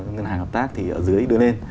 ngân hàng hợp tác thì ở dưới đưa lên